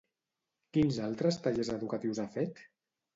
Quins altres tallers educatius ha fet?